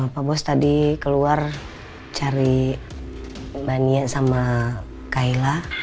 pak bos tadi keluar cari mbak nia sama kaila